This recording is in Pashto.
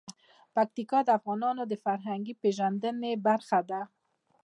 پکتیکا د افغانانو د فرهنګي پیژندنې برخه ده.